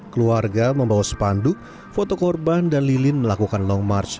keluarga membawa sepanduk foto korban dan lilin melakukan long march